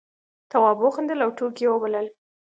تواب وخندل او ټوکې یې وبللې.